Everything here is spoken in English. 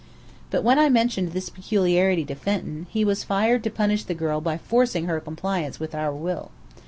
But when I mentioned this peculiarity to Fenton, he was fired to punish the girl by forcing her compliance with our will.